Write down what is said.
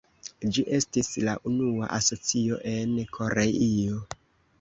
Ĝi estis la unua Asocio en Koreio.